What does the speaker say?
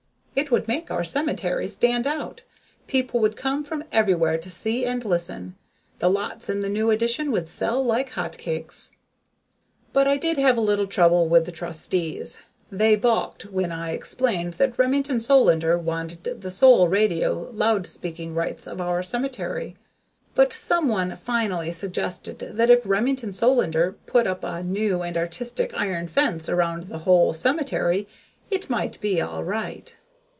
It would make our cemetery stand out. People would come from everywhere to see and listen. The lots in the new addition would sell like hot cakes. But I did have a little trouble with the other trustees. They balked when I explained that Remington Solander wanted the sole radio loud speaking rights of our cemetery, but some one finally suggested that if Remington Solander put up a new and artistic iron fence around the whole cemetery it might be all right.